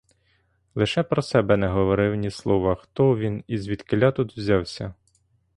Лише про себе не говорив ні слова, хто він і звідкіля тут узявся.